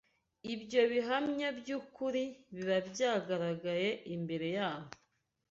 Ibyo bihamya by’ukuri biba byagaragaye imbere yabo,